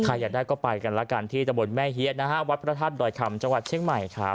อยากได้ก็ไปกันแล้วกันที่ตะบนแม่เฮียนะฮะวัดพระธาตุดอยคำจังหวัดเชียงใหม่ครับ